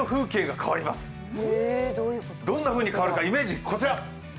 どんなふうに変わるか、イメージはこちら。